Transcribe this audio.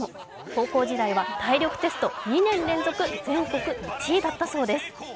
高校時代は体力テスト２年連続全国１位だったそうです。